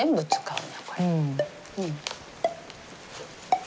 うん。